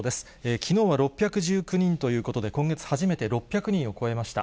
きのうは６１９人ということで、今月初めて６００人を超えました。